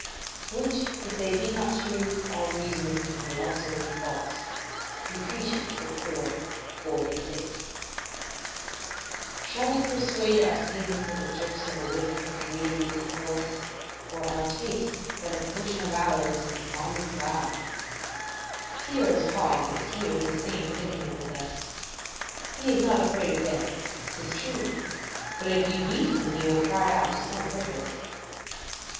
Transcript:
["Which, if they be not true, all reasoning may also be false. "Lucretius, iv. 486.] Shall we persuade our skins that the jerks of a whip agreeably tickle us, or our taste that a potion of aloes is vin de Graves? Pyrrho's hog is here in the same predicament with us; he is not afraid of death, 'tis true, but if you beat him he will cry out to some purpose.